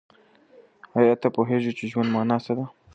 آیا ته پوهېږې چې د ژوند مانا څه ده؟